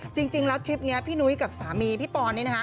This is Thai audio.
จริงแล้วทริปนี้พี่นุ้ยกับสามีพี่ปอนนี่นะคะ